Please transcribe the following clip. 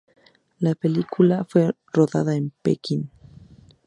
La película fue rodada en Pekín.